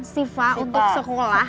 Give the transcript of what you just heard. sifat untuk sekolah